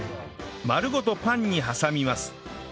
丸ごとパンに挟みます